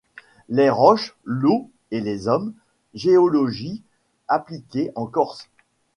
Les roches, l’eau et les hommes, Géologie appliquée en Corse.